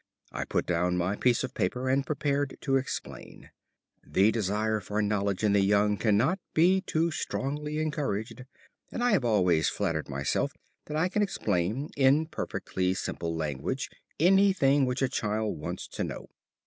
I put down my piece of the paper and prepared to explain. The desire for knowledge in the young cannot be too strongly encouraged, and I have always flattered myself that I can explain in perfectly simple language anything which a child wants to know.